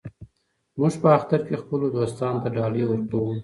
موږ په اختر کې خپلو دوستانو ته ډالۍ ورکوو.